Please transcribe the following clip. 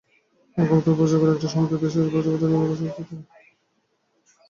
অক্ষমতার প্রচার করে, একটি সমৃদ্ধ দেশের সম্পদ বিনাশের নানা চুক্তি হতে থাকে।